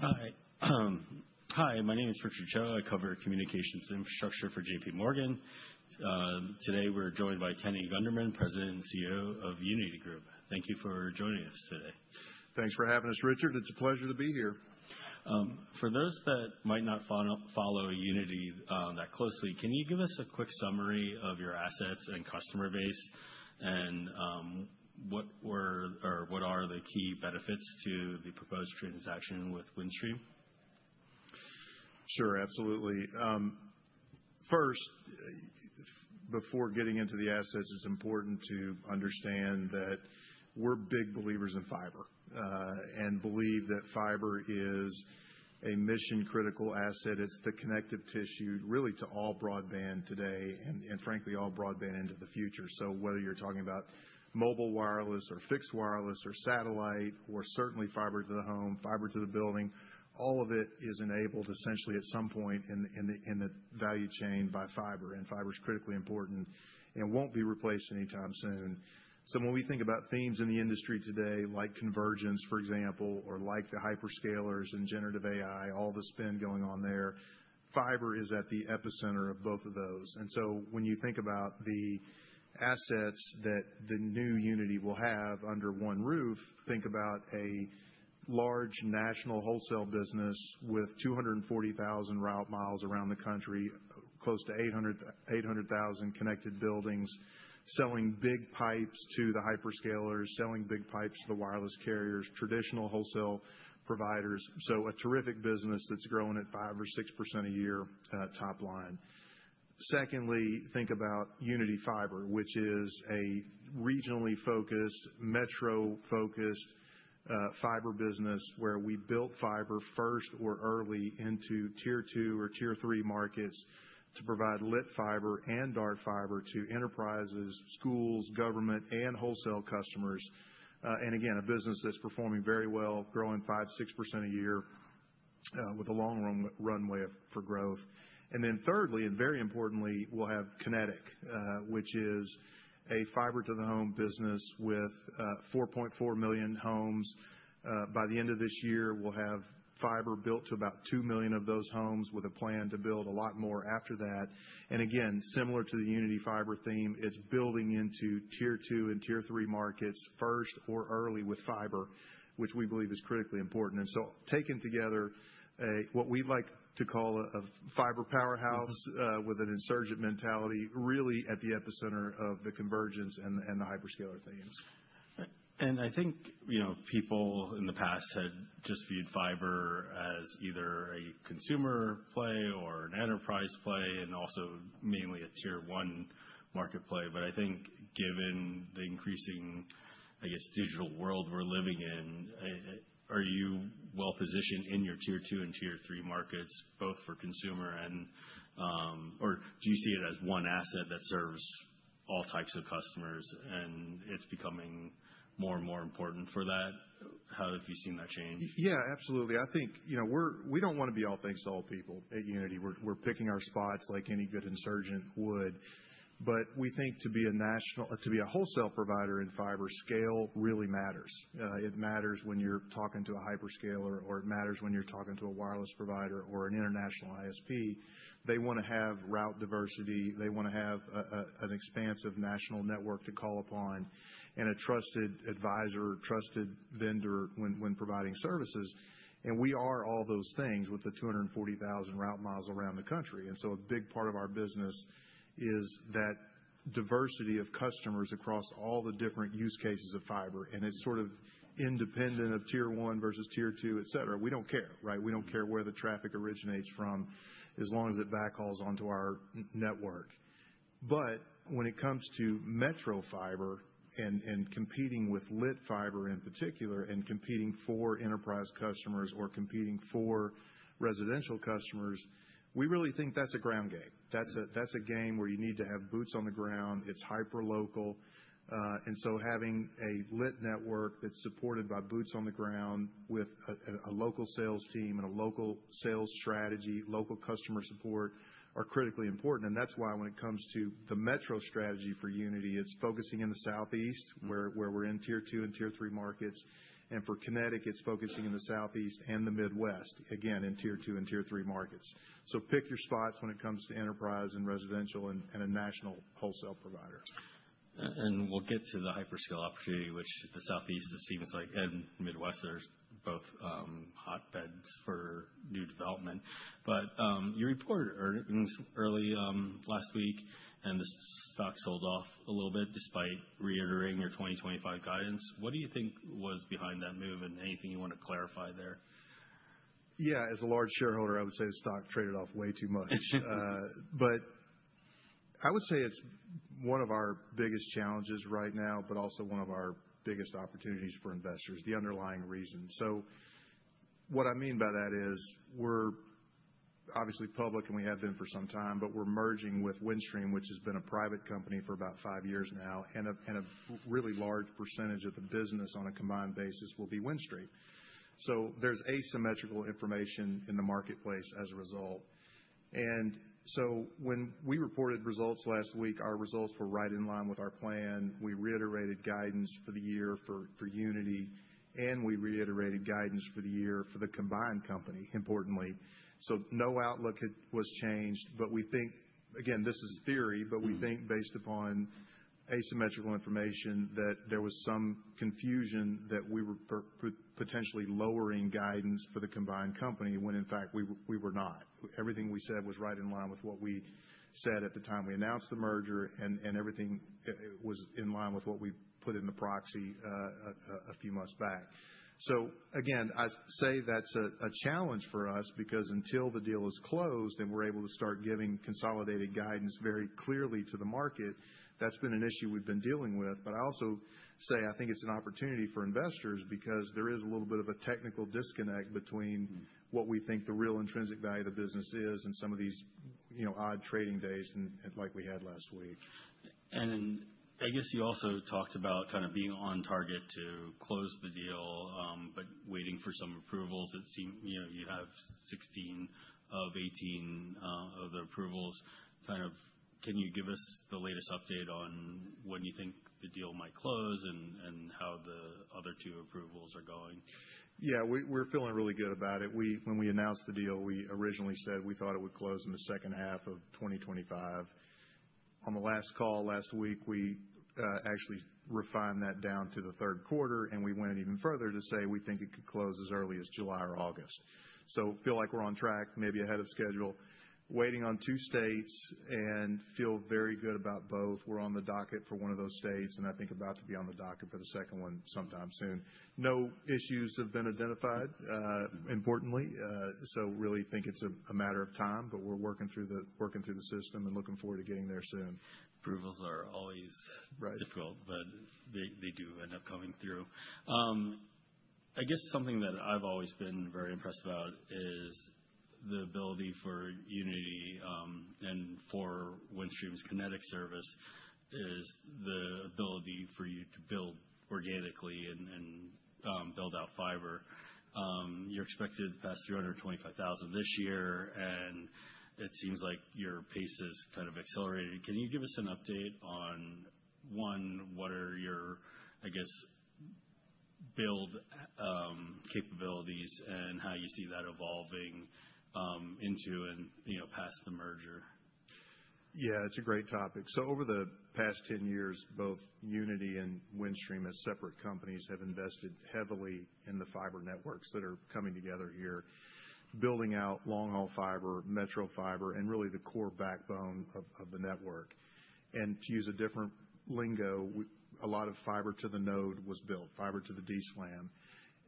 All right. Hi, my name is Richard Cho. I cover communications infrastructure for JPMorgan. Today we're joined by Kenny Gunderman, President and CEO of Uniti Group. Thank you for joining us today. Thanks for having us, Richard. It's a pleasure to be here. For those that might not follow Uniti that closely, can you give us a quick summary of your assets and customer base and what are the key benefits to the proposed transaction with Windstream? Sure, absolutely. First, before getting into the assets, it's important to understand that we're big believers in fiber and believe that fiber is a mission-critical asset. It's the connective tissue, really, to all broadband today and, frankly, all broadband into the future. Whether you're talking about mobile wireless or fixed wireless or satellite or certainly fiber to the home, fiber to the building, all of it is enabled essentially at some point in the value chain by fiber. Fiber is critically important and won't be replaced anytime soon. When we think about themes in the industry today, like convergence, for example, or like the hyperscalers and generative AI, all the spin going on there, fiber is at the epicenter of both of those. When you think about the assets that the new Uniti will have under one roof, think about a large national wholesale business with 240,000 route miles around the country, close to 800,000 connected buildings, selling big pipes to the hyperscalers, selling big pipes to the wireless carriers, traditional wholesale providers. A terrific business that's growing at 5% or 6% a year top line. Secondly, think about Uniti Fiber, which is a regionally focused, metro-focused fiber business where we built fiber first or early into tier two or tier three markets to provide lit fiber and dark fiber to enterprises, schools, government, and wholesale customers. Again, a business that's performing very well, growing 5%-6% a year with a long runway for growth. Thirdly, and very importantly, we'll have Kinetic, which is a fiber-to-the-home business with 4.4 million homes. By the end of this year, we'll have fiber built to about 2 million of those homes with a plan to build a lot more after that. Again, similar to the Uniti Fiber theme, it's building into tier two and tier three markets first or early with fiber, which we believe is critically important. Taken together, what we'd like to call a fiber powerhouse with an insurgent mentality, really at the epicenter of the convergence and the hyperscaler themes. I think people in the past had just viewed fiber as either a consumer play or an enterprise play and also mainly a tier one market play. I think given the increasing, I guess, digital world we're living in, are you well positioned in your tier two and tier three markets, both for consumer and, or do you see it as one asset that serves all types of customers and it's becoming more and more important for that? How have you seen that change? Yeah, absolutely. I think we don't want to be all things to all people at Uniti. We're picking our spots like any good insurgent would. We think to be a wholesale provider in fiber, scale really matters. It matters when you're talking to a hyperscaler or it matters when you're talking to a wireless provider or an international ISP. They want to have route diversity. They want to have an expansive national network to call upon and a trusted advisor, trusted vendor when providing services. We are all those things with the 240,000 route miles around the country. A big part of our business is that diversity of customers across all the different use cases of fiber. It's sort of independent of tier one versus tier two, et cetera. We don't care, right? We do not care where the traffic originates from as long as it backhauls onto our network. When it comes to metro fiber and competing with lit fiber in particular and competing for enterprise customers or competing for residential customers, we really think that is a ground game. That is a game where you need to have boots on the ground. It is hyper-local. Having a lit network that is supported by boots on the ground with a local sales team and a local sales strategy, local customer support are critically important. That is why when it comes to the metro strategy for Uniti, it is focusing in the Southeast where we are in tier two and tier three markets. For Kinetic, it is focusing in the Southeast and the Midwest, again, in tier two and tier three markets. Pick your spots when it comes to enterprise and residential and a national wholesale provider. We'll get to the hyperscale opportunity, which the Southeast seems like and Midwest, there's both hotbeds for new development. You reported earlier last week and the stock sold off a little bit despite reiterating your 2025 guidance. What do you think was behind that move and anything you want to clarify there? Yeah, as a large shareholder, I would say the stock traded off way too much. I would say it's one of our biggest challenges right now, but also one of our biggest opportunities for investors, the underlying reason. What I mean by that is we're obviously public and we have been for some time, but we're merging with Windstream, which has been a private company for about five years now. A really large percentage of the business on a combined basis will be Windstream. There's asymmetrical information in the marketplace as a result. When we reported results last week, our results were right in line with our plan. We reiterated guidance for the year for Uniti and we reiterated guidance for the year for the combined company, importantly. No outlook was changed. We think, again, this is theory, but we think based upon asymmetrical information that there was some confusion that we were potentially lowering guidance for the combined company when in fact we were not. Everything we said was right in line with what we said at the time we announced the merger and everything was in line with what we put in the proxy a few months back. Again, I say that's a challenge for us because until the deal is closed and we're able to start giving consolidated guidance very clearly to the market, that's been an issue we've been dealing with. I also say I think it's an opportunity for investors because there is a little bit of a technical disconnect between what we think the real intrinsic value of the business is and some of these odd trading days like we had last week. I guess you also talked about kind of being on target to close the deal, but waiting for some approvals. It seemed you have 16 of 18 of the approvals. Kind of can you give us the latest update on when you think the deal might close and how the other two approvals are going? Yeah, we're feeling really good about it. When we announced the deal, we originally said we thought it would close in the second half of 2025. On the last call last week, we actually refined that down to the third quarter and we went even further to say we think it could close as early as July or August. Feel like we're on track, maybe ahead of schedule. Waiting on two states and feel very good about both. We're on the docket for one of those states and I think about to be on the docket for the second one sometime soon. No issues have been identified, importantly. Really think it's a matter of time, but we're working through the system and looking forward to getting there soon. Approvals are always difficult, but they do end up coming through. I guess something that I've always been very impressed about is the ability for Uniti and for Windstream's Kinetic service is the ability for you to build organically and build out fiber. You're expected to pass 325,000 this year and it seems like your pace has kind of accelerated. Can you give us an update on, one, what are your, I guess, build capabilities and how you see that evolving into and past the merger? Yeah, it's a great topic. Over the past 10 years, both Uniti and Windstream as separate companies have invested heavily in the fiber networks that are coming together here, building out long-haul fiber, metro fiber, and really the core backbone of the network. To use a different lingo, a lot of fiber to the node was built, fiber to the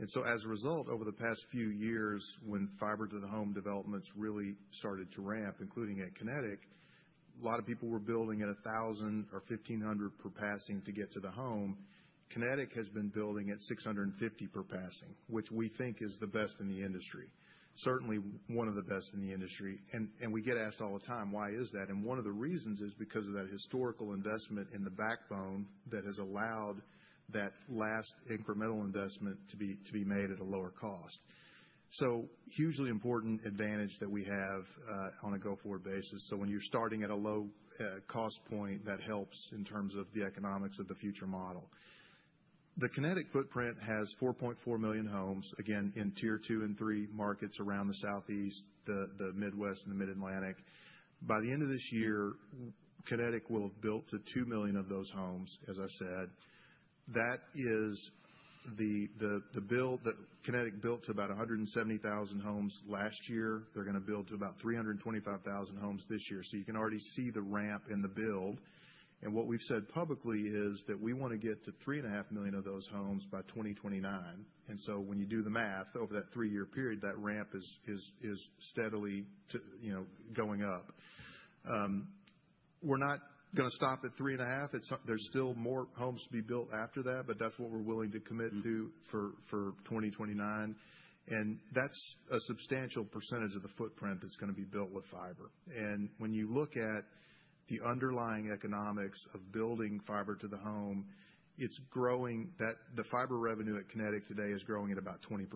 DSLAM. As a result, over the past few years, when fiber to the home developments really started to ramp, including at Kinetic, a lot of people were building at $1,000 or $1,500 per passing to get to the home. Kinetic has been building at $650 per passing, which we think is the best in the industry, certainly one of the best in the industry. We get asked all the time, why is that? One of the reasons is because of that historical investment in the backbone that has allowed that last incremental investment to be made at a lower cost. Hugely important advantage that we have on a go-forward basis. When you're starting at a low cost point, that helps in terms of the economics of the future model. The Kinetic footprint has 4.4 million homes, again, in tier two and three markets around the Southeast, the Midwest, and the Mid-Atlantic. By the end of this year, Kinetic will have built to 2 million of those homes, as I said. That is the build that Kinetic built to about 170,000 homes last year. They're going to build to about 325,000 homes this year. You can already see the ramp in the build. What we've said publicly is that we want to get to 3.5 million of those homes by 2029. When you do the math over that three-year period, that ramp is steadily going up. We're not going to stop at 3.5. There's still more homes to be built after that, but that's what we're willing to commit to for 2029. That's a substantial percentage of the footprint that's going to be built with fiber. When you look at the underlying economics of building fiber to the home, it's growing. The fiber revenue at Kinetic today is growing at about 20%.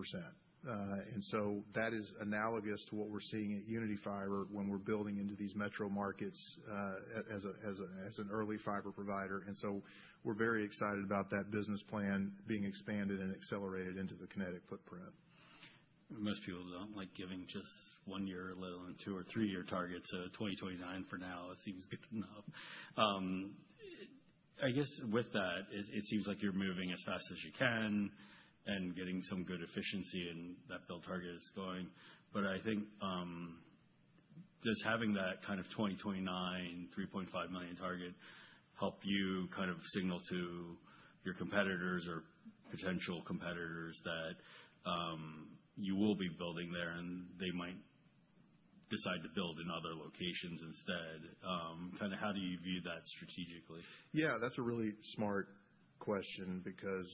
That is analogous to what we're seeing at Uniti Fiber when we're building into these metro markets as an early fiber provider. We're very excited about that business plan being expanded and accelerated into the Kinetic footprint. Most people don't like giving just one year, let alone two or three-year targets. 2029 for now seems good enough. I guess with that, it seems like you're moving as fast as you can and getting some good efficiency in that build target is going. I think does having that kind of 2029, 3.5 million target help you kind of signal to your competitors or potential competitors that you will be building there and they might decide to build in other locations instead? Kind of how do you view that strategically? Yeah, that's a really smart question because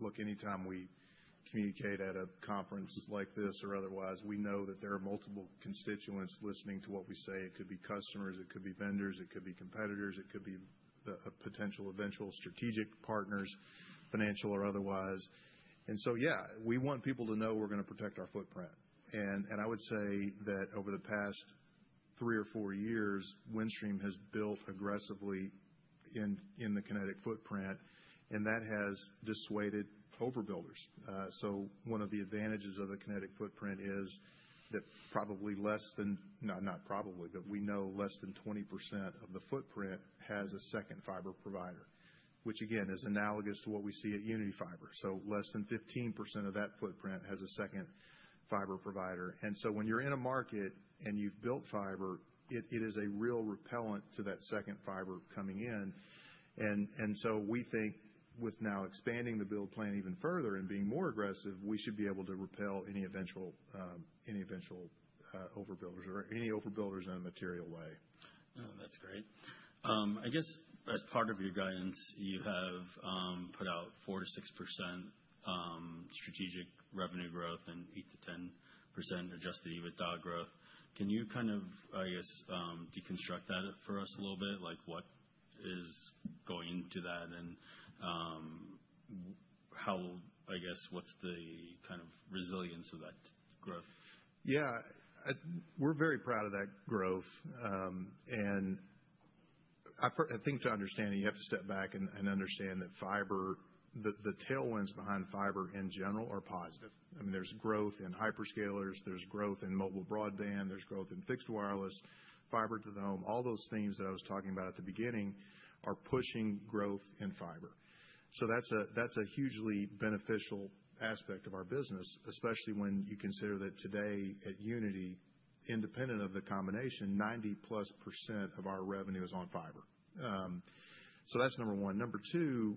look, anytime we communicate at a conference like this or otherwise, we know that there are multiple constituents listening to what we say. It could be customers, it could be vendors, it could be competitors, it could be potential eventual strategic partners, financial or otherwise. Yeah, we want people to know we're going to protect our footprint. I would say that over the past three or four years, Windstream has built aggressively in the Kinetic footprint and that has dissuaded overbuilders. One of the advantages of the Kinetic footprint is that probably less than, not probably, but we know less than 20% of the footprint has a second fiber provider, which again is analogous to what we see at Uniti Fiber. Less than 15% of that footprint has a second fiber provider. When you're in a market and you've built fiber, it is a real repellent to that second fiber coming in. We think with now expanding the build plan even further and being more aggressive, we should be able to repel any eventual overbuilders or any overbuilders in a material way. That's great. I guess as part of your guidance, you have put out 4-6% strategic revenue growth and 8-10% adjusted EBITDA growth. Can you kind of, I guess, deconstruct that for us a little bit? Like what is going into that and how, I guess, what's the kind of resilience of that growth? Yeah, we're very proud of that growth. I think to understand it, you have to step back and understand that fiber, the tailwinds behind fiber in general are positive. I mean, there's growth in hyperscalers, there's growth in mobile broadband, there's growth in fixed wireless, fiber to the home. All those things that I was talking about at the beginning are pushing growth in fiber. That's a hugely beneficial aspect of our business, especially when you consider that today at Uniti, independent of the combination, 90+% of our revenue is on fiber. That's number one. Number two,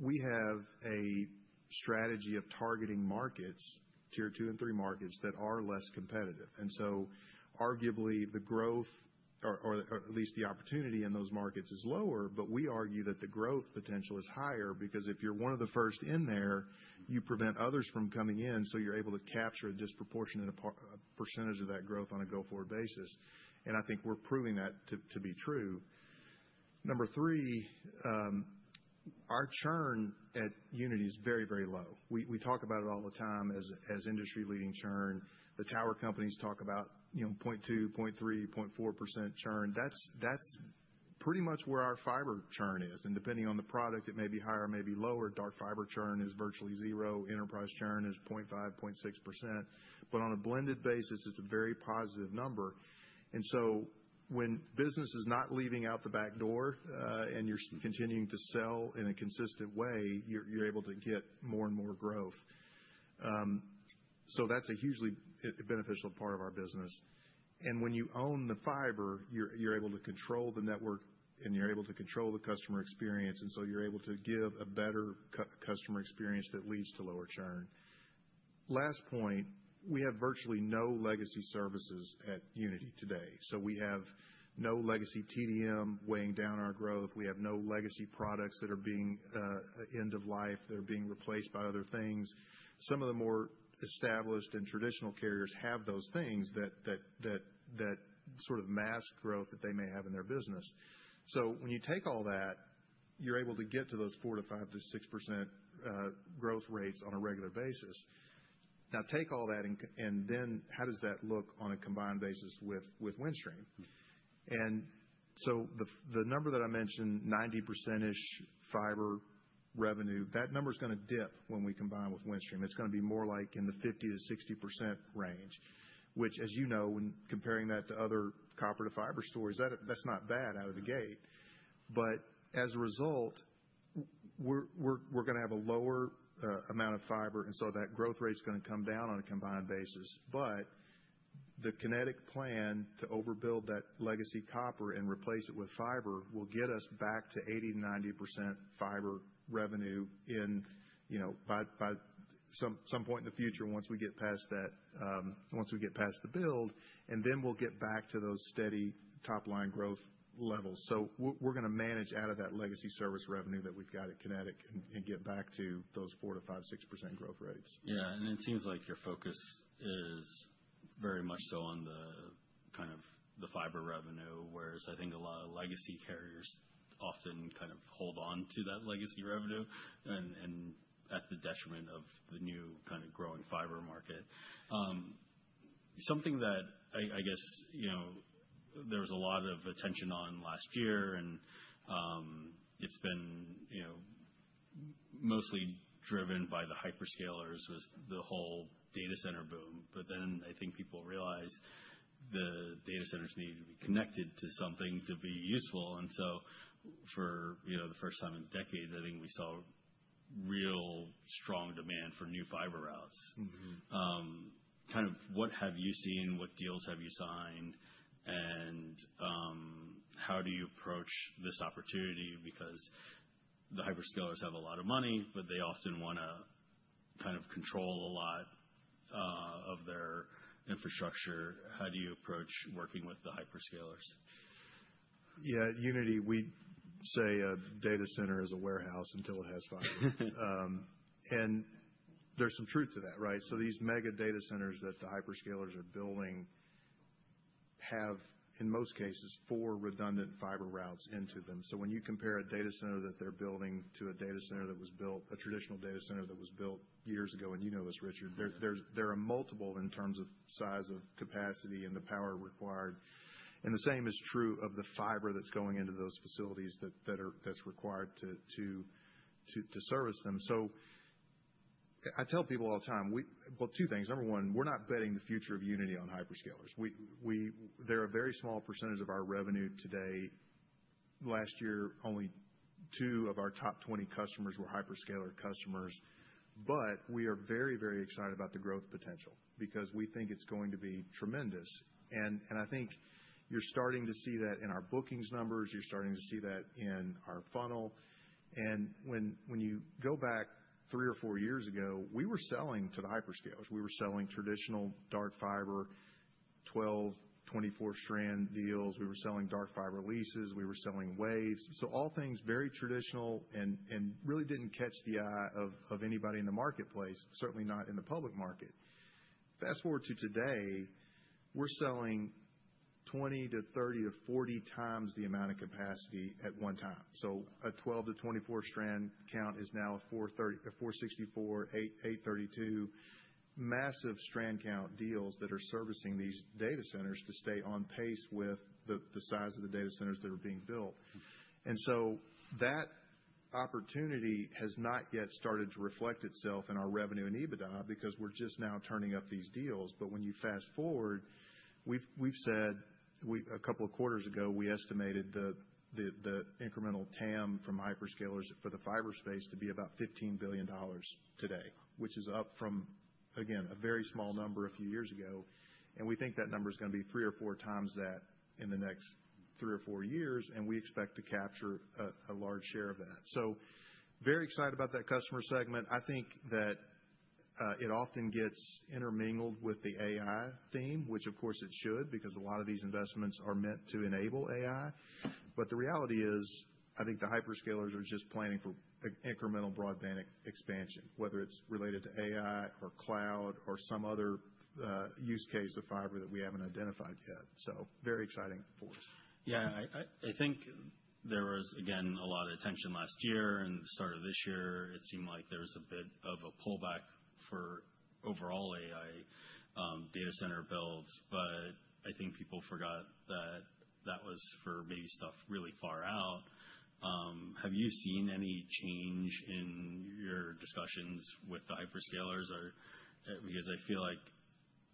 we have a strategy of targeting markets, tier two and three markets that are less competitive. Arguably the growth, or at least the opportunity in those markets is lower, but we argue that the growth potential is higher because if you're one of the first in there, you prevent others from coming in, so you're able to capture a disproportionate percentage of that growth on a go-forward basis. I think we're proving that to be true. Number three, our churn at Uniti is very, very low. We talk about it all the time as industry-leading churn. The tower companies talk about 0.2, 0.3, 0.4% churn. That's pretty much where our fiber churn is. Depending on the product, it may be higher, maybe lower. Dark fiber churn is virtually zero. Enterprise churn is 0.5, 0.6%. On a blended basis, it's a very positive number. When business is not leaving out the back door and you're continuing to sell in a consistent way, you're able to get more and more growth. That's a hugely beneficial part of our business. When you own the fiber, you're able to control the network and you're able to control the customer experience. You're able to give a better customer experience that leads to lower churn. Last point, we have virtually no legacy services at Uniti today. We have no legacy TDM weighing down our growth. We have no legacy products that are being end of life, that are being replaced by other things. Some of the more established and traditional carriers have those things that sort of mask growth that they may have in their business. When you take all that, you're able to get to those 4-5-6% growth rates on a regular basis. Now take all that and then how does that look on a combined basis with Windstream? The number that I mentioned, 90%-ish fiber revenue, that number's going to dip when we combine with Windstream. It's going to be more like in the 50-60% range, which, as you know, when comparing that to other copper to fiber stories, that's not bad out of the gate. As a result, we're going to have a lower amount of fiber and so that growth rate's going to come down on a combined basis. The Kinetic plan to overbuild that legacy copper and replace it with fiber will get us back to 80-90% fiber revenue by some point in the future once we get past that, once we get past the build. Then we'll get back to those steady top-line growth levels. We're going to manage out of that legacy service revenue that we've got at Kinetic and get back to those 4-5, 6% growth rates. Yeah. It seems like your focus is very much so on the kind of the fiber revenue, whereas I think a lot of legacy carriers often kind of hold on to that legacy revenue and at the detriment of the new kind of growing fiber market. Something that I guess there was a lot of attention on last year and it's been mostly driven by the hyperscalers with the whole data center boom. I think people realize the data centers need to be connected to something to be useful. For the first time in decades, I think we saw real strong demand for new fiber routes. Kind of what have you seen? What deals have you signed? How do you approach this opportunity? The hyperscalers have a lot of money, but they often want to kind of control a lot of their infrastructure. How do you approach working with the hyperscalers? Yeah, at Uniti, we say a data center is a warehouse until it has fiber. There's some truth to that, right? These mega data centers that the hyperscalers are building have, in most cases, four redundant fiber routes into them. When you compare a data center that they're building to a data center that was built, a traditional data center that was built years ago, and you know this, Richard, there are multiple in terms of size of capacity and the power required. The same is true of the fiber that's going into those facilities that's required to service them. I tell people all the time, well, two things. Number one, we're not betting the future of Uniti on hyperscalers. They're a very small percentage of our revenue today. Last year, only two of our top 20 customers were hyperscaler customers. We are very, very excited about the growth potential because we think it's going to be tremendous. I think you're starting to see that in our bookings numbers. You're starting to see that in our funnel. When you go back three or four years ago, we were selling to the hyperscalers. We were selling traditional dark fiber, 12, 24-strand deals. We were selling dark fiber leases. We were selling waves. All things very traditional and really didn't catch the eye of anybody in the marketplace, certainly not in the public market. Fast forward to today, we're selling 20-30-40 times the amount of capacity at one time. A 12-24-strand count is now a 464, 832, massive strand count deals that are servicing these data centers to stay on pace with the size of the data centers that are being built. That opportunity has not yet started to reflect itself in our revenue and EBITDA because we're just now turning up these deals. When you fast forward, we've said a couple of quarters ago, we estimated the incremental TAM from hyperscalers for the fiber space to be about $15 billion today, which is up from, again, a very small number a few years ago. We think that number is going to be three or four times that in the next three or four years, and we expect to capture a large share of that. Very excited about that customer segment. I think that it often gets intermingled with the AI theme, which of course it should because a lot of these investments are meant to enable AI. The reality is, I think the hyperscalers are just planning for incremental broadband expansion, whether it's related to AI or cloud or some other use case of fiber that we haven't identified yet. So very exciting for us. Yeah. I think there was, again, a lot of attention last year and the start of this year. It seemed like there was a bit of a pullback for overall AI data center builds. I think people forgot that that was for maybe stuff really far out. Have you seen any change in your discussions with the hyperscalers? I feel like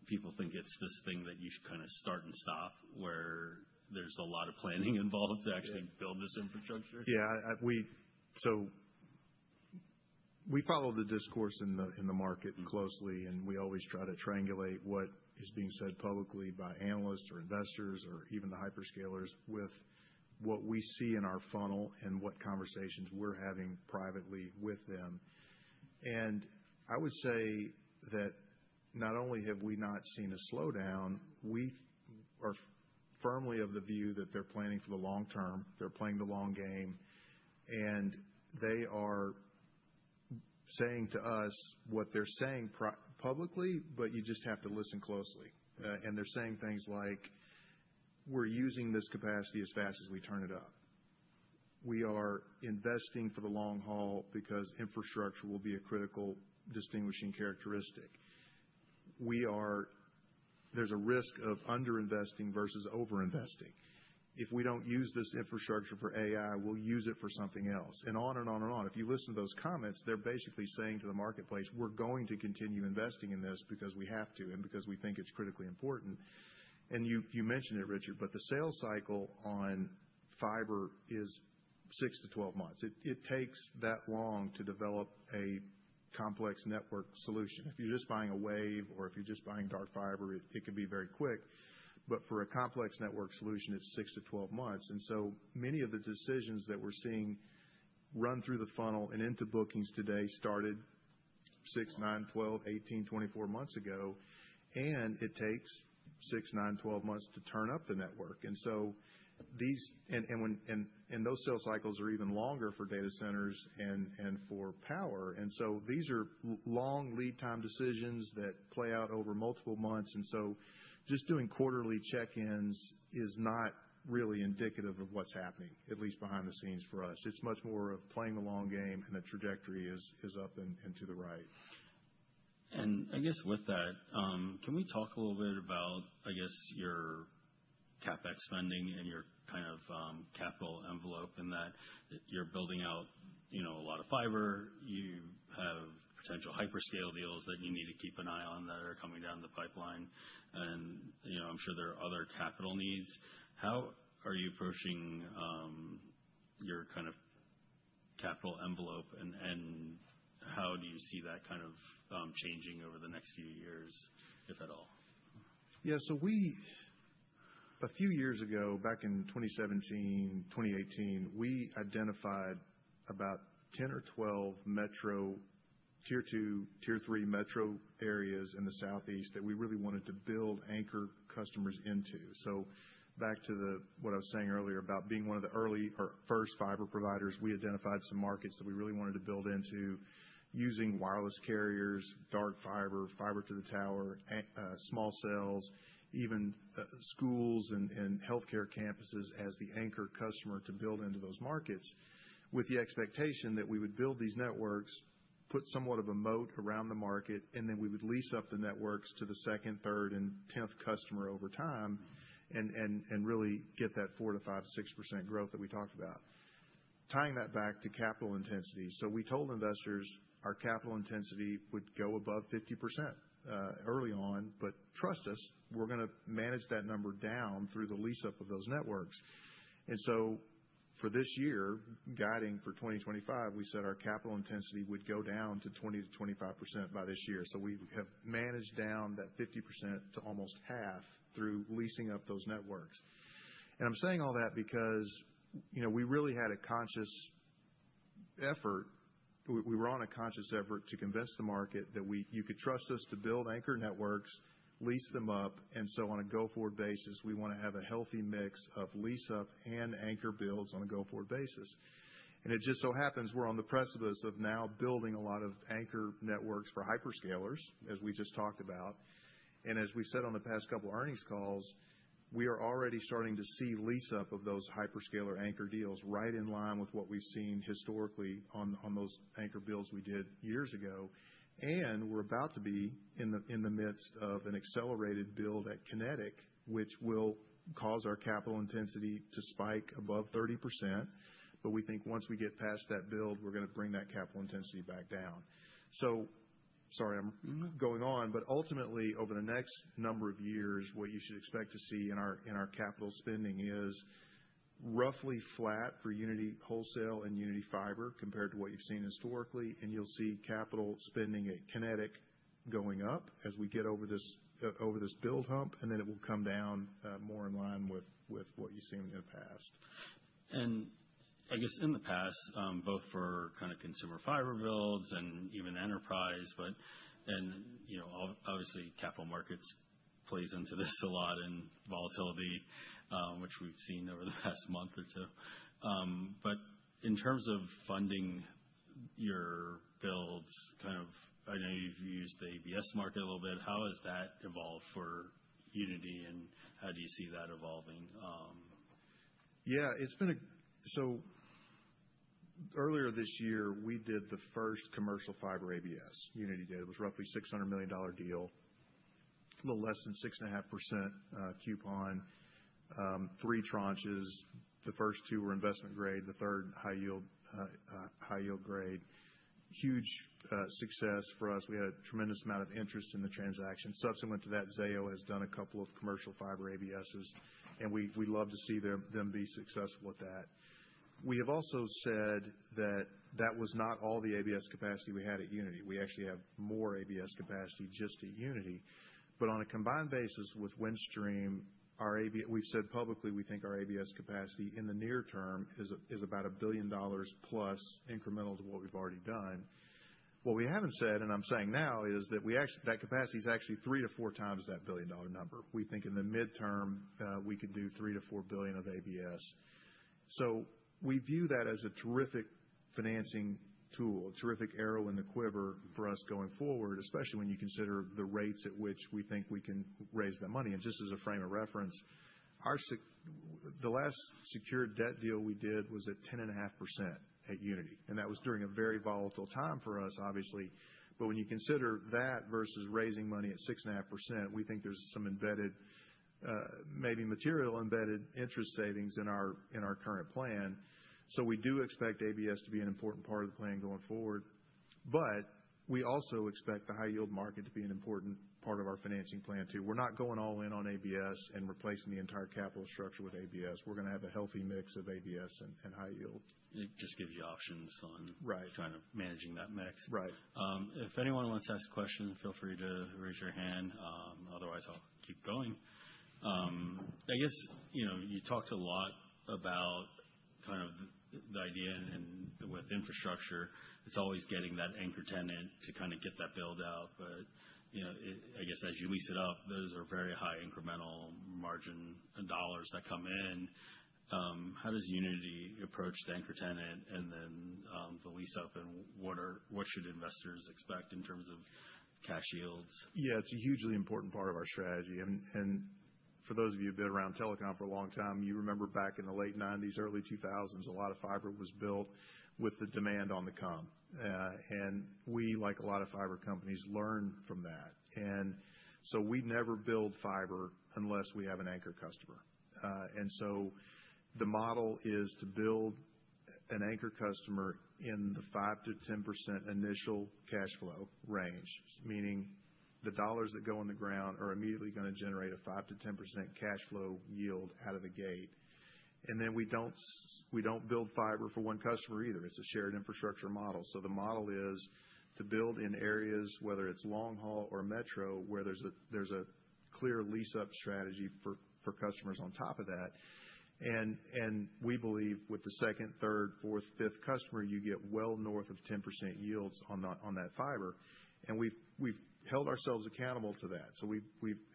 people think it's this thing that you should kind of start and stop where there's a lot of planning involved to actually build this infrastructure. Yeah. We follow the discourse in the market closely, and we always try to triangulate what is being said publicly by analysts or investors or even the hyperscalers with what we see in our funnel and what conversations we're having privately with them. I would say that not only have we not seen a slowdown, we are firmly of the view that they're planning for the long term. They're playing the long game. They are saying to us what they're saying publicly, but you just have to listen closely. They're saying things like, "We're using this capacity as fast as we turn it up. We are investing for the long haul because infrastructure will be a critical distinguishing characteristic. There's a risk of underinvesting versus overinvesting. If we don't use this infrastructure for AI, we'll use it for something else." And on and on and on. If you listen to those comments, they're basically saying to the marketplace, "We're going to continue investing in this because we have to and because we think it's critically important." You mentioned it, Richard, but the sales cycle on fiber is 6-12 months. It takes that long to develop a complex network solution. If you're just buying a wave or if you're just buying dark fiber, it can be very quick. For a complex network solution, it's 6-12 months. Many of the decisions that we're seeing run through the funnel and into bookings today started 6, 9, 12, 18, 24 months ago. It takes 6, 9, 12 months to turn up the network. Those sales cycles are even longer for data centers and for power. These are long lead time decisions that play out over multiple months. Just doing quarterly check-ins is not really indicative of what's happening, at least behind the scenes for us. It's much more of playing the long game and the trajectory is up and to the right. I guess with that, can we talk a little bit about, I guess, your CapEx spending and your kind of capital envelope in that you're building out a lot of fiber, you have potential hyperscale deals that you need to keep an eye on that are coming down the pipeline, and I'm sure there are other capital needs. How are you approaching your kind of capital envelope and how do you see that kind of changing over the next few years, if at all? Yeah. A few years ago, back in 2017, 2018, we identified about 10 or 12 metro tier two, tier three metro areas in the Southeast that we really wanted to build anchor customers into. Back to what I was saying earlier about being one of the early or first fiber providers, we identified some markets that we really wanted to build into using wireless carriers, dark fiber, fiber to the tower, small cells, even schools and healthcare campuses as the anchor customer to build into those markets with the expectation that we would build these networks, put somewhat of a moat around the market, and then we would lease up the networks to the second, third, and tenth customer over time and really get that 4-5, 6% growth that we talked about. Tying that back to capital intensity. We told investors our capital intensity would go above 50% early on, but trust us, we're going to manage that number down through the lease up of those networks. For this year, guiding for 2025, we said our capital intensity would go down to 20-25% by this year. We have managed down that 50% to almost half through leasing up those networks. I'm saying all that because we really had a conscious effort. We were on a conscious effort to convince the market that you could trust us to build anchor networks, lease them up. On a go-forward basis, we want to have a healthy mix of lease up and anchor builds on a go-forward basis. It just so happens we're on the precipice of now building a lot of anchor networks for hyperscalers, as we just talked about. As we've said on the past couple of earnings calls, we are already starting to see lease up of those hyperscaler anchor deals right in line with what we've seen historically on those anchor builds we did years ago. We are about to be in the midst of an accelerated build at Kinetic, which will cause our capital intensity to spike above 30%. We think once we get past that build, we're going to bring that capital intensity back down. Sorry, I'm going on, but ultimately, over the next number of years, what you should expect to see in our capital spending is roughly flat for Uniti Wholesale and Uniti Fiber compared to what you've seen historically. You'll see capital spending at Kinetic going up as we get over this build hump, and then it will come down more in line with what you've seen in the past. I guess in the past, both for kind of consumer fiber builds and even enterprise, but obviously, capital markets plays into this a lot and volatility, which we've seen over the past month or two. In terms of funding your builds, I know you've used the ABS market a little bit. How has that evolved for Uniti, and how do you see that evolving? Yeah. Earlier this year, we did the first commercial fiber ABS, Uniti did. It was roughly a $600 million deal, a little less than 6.5% coupon, three tranches. The first two were investment grade, the third high-yield grade. Huge success for us. We had a tremendous amount of interest in the transaction. Subsequent to that, Zayo has done a couple of commercial fiber ABS, and we'd love to see them be successful with that. We have also said that that was not all the ABS capacity we had at Uniti. We actually have more ABS capacity just at Uniti. On a combined basis with Windstream, we've said publicly we think our ABS capacity in the near term is about $1 billion plus incremental to what we've already done. What we haven't said, and I'm saying now, is that that capacity is actually three to four times that billion dollar number. We think in the midterm, we could do $3 billion-$4 billion of ABS. We view that as a terrific financing tool, a terrific arrow in the quiver for us going forward, especially when you consider the rates at which we think we can raise that money. Just as a frame of reference, the last secured debt deal we did was at 10.5% at Uniti. That was during a very volatile time for us, obviously. When you consider that versus raising money at 6.5%, we think there's some embedded, maybe material embedded interest savings in our current plan. We do expect ABS to be an important part of the plan going forward. We also expect the high-yield market to be an important part of our financing plan too. We're not going all in on ABS and replacing the entire capital structure with ABS. We're going to have a healthy mix of ABS and high-yield. It just gives you options on kind of managing that mix. If anyone wants to ask a question, feel free to raise your hand. Otherwise, I'll keep going. I guess you talked a lot about kind of the idea and with infrastructure, it's always getting that anchor tenant to kind of get that build out. I guess as you lease it up, those are very high incremental margin dollars that come in. How does Uniti approach the anchor tenant and then the lease up? What should investors expect in terms of cash yields? Yeah. It's a hugely important part of our strategy. For those of you who've been around telecom for a long time, you remember back in the late 1990s, early 2000s, a lot of fiber was built with the demand on the come. We, like a lot of fiber companies, learned from that. We never build fiber unless we have an anchor customer. The model is to build an anchor customer in the 5%-10% initial cash flow range, meaning the dollars that go in the ground are immediately going to generate a 5%-10% cash flow yield out of the gate. We do not build fiber for one customer either. It's a shared infrastructure model. The model is to build in areas, whether it's long haul or metro, where there's a clear lease up strategy for customers on top of that. We believe with the second, third, fourth, fifth customer, you get well north of 10% yields on that fiber. We've held ourselves accountable to that.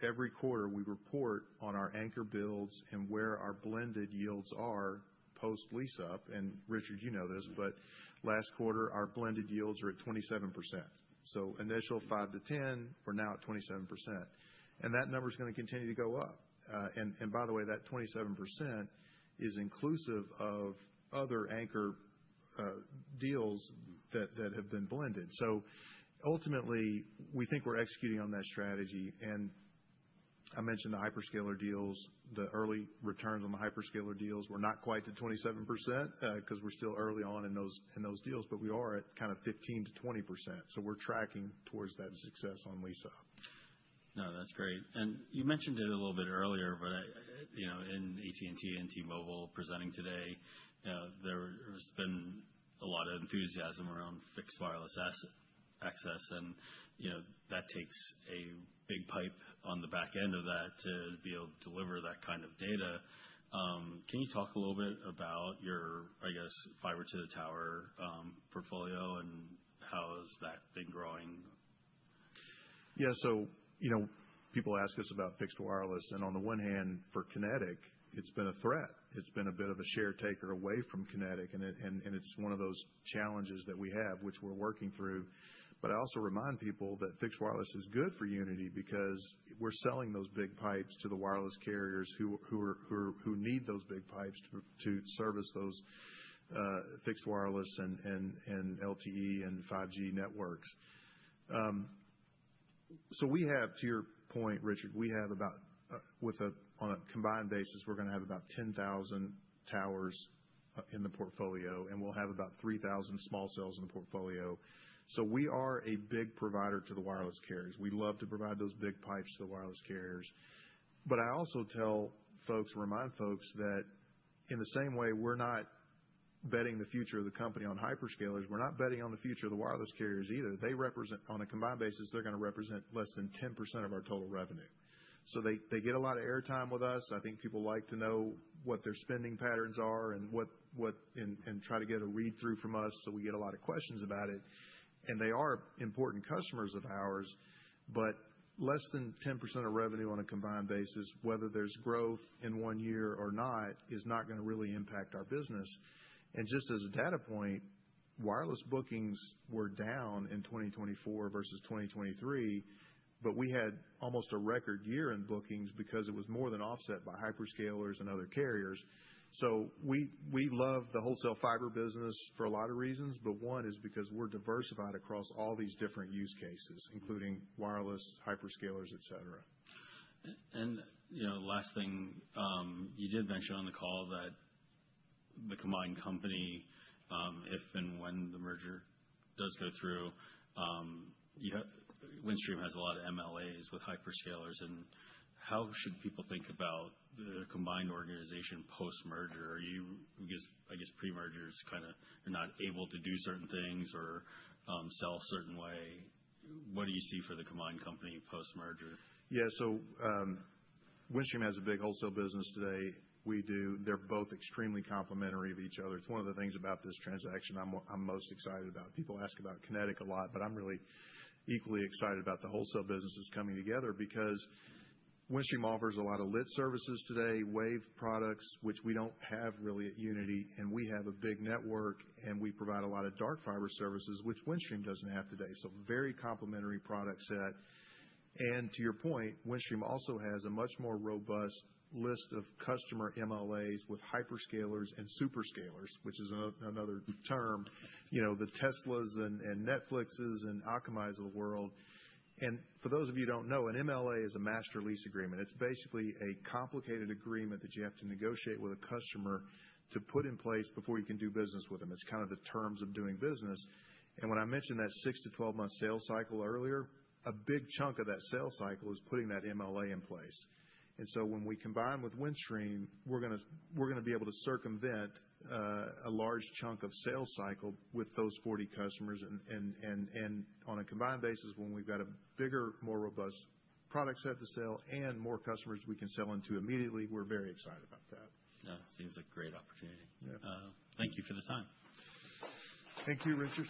Every quarter, we report on our anchor builds and where our blended yields are post lease up. Richard, you know this, but last quarter, our blended yields were at 27%. Initial 5-10, we're now at 27%. That number is going to continue to go up. By the way, that 27% is inclusive of other anchor deals that have been blended. Ultimately, we think we're executing on that strategy. I mentioned the hyperscaler deals, the early returns on the hyperscaler deals were not quite to 27% because we're still early on in those deals, but we are at kind of 15-20%. We're tracking towards that success on lease up. No, that's great. You mentioned it a little bit earlier, but in AT&T and T-Mobile presenting today, there has been a lot of enthusiasm around fixed wireless access. That takes a big pipe on the back end of that to be able to deliver that kind of data. Can you talk a little bit about your, I guess, fiber to the tower portfolio and how has that been growing? Yeah. People ask us about fixed wireless. On the one hand, for Kinetic, it's been a threat. It's been a bit of a share taker away from Kinetic. It's one of those challenges that we have, which we're working through. I also remind people that fixed wireless is good for Uniti because we're selling those big pipes to the wireless carriers who need those big pipes to service those fixed wireless and LTE and 5G networks. To your point, Richard, we have about, on a combined basis, we're going to have about 10,000 towers in the portfolio, and we'll have about 3,000 small cells in the portfolio. We are a big provider to the wireless carriers. We love to provide those big pipes to the wireless carriers. I also tell folks, remind folks that in the same way, we're not betting the future of the company on hyperscalers. We're not betting on the future of the wireless carriers either. On a combined basis, they're going to represent less than 10% of our total revenue. They get a lot of airtime with us. I think people like to know what their spending patterns are and try to get a read-through from us. We get a lot of questions about it. They are important customers of ours, but less than 10% of revenue on a combined basis, whether there's growth in one year or not, is not going to really impact our business. Just as a data point, wireless bookings were down in 2024 versus 2023, but we had almost a record year in bookings because it was more than offset by hyperscalers and other carriers. We love the wholesale fiber business for a lot of reasons, but one is because we're diversified across all these different use cases, including wireless, hyperscalers, etc. Last thing, you did mention on the call that the combined company, if and when the merger does go through, Windstream has a lot of MLAs with hyperscalers. How should people think about the combined organization post-merger? I guess pre-mergers kind of are not able to do certain things or sell a certain way. What do you see for the combined company post-merger? Yeah. Windstream has a big wholesale business today. They're both extremely complementary of each other. It's one of the things about this transaction I'm most excited about. People ask about Kinetic a lot, but I'm really equally excited about the wholesale businesses coming together because Windstream offers a lot of lit services today, Wave products, which we don't have really at Uniti. And we have a big network, and we provide a lot of dark fiber services, which Windstream doesn't have today. Very complementary product set. To your point, Windstream also has a much more robust list of customer MLAs with hyperscalers and superscalers, which is another term, the Teslas and Netflixes and Akamais of the world. For those of you who don't know, an MLA is a master lease agreement. It's basically a complicated agreement that you have to negotiate with a customer to put in place before you can do business with them. It's kind of the terms of doing business. When I mentioned that 6- to 12-month sales cycle earlier, a big chunk of that sales cycle is putting that MLA in place. When we combine with Windstream, we're going to be able to circumvent a large chunk of sales cycle with those 40 customers. On a combined basis, when we've got a bigger, more robust product set to sell and more customers we can sell into immediately, we're very excited about that. Yeah. Seems like a great opportunity. Thank you for the time. Thank you, Richard.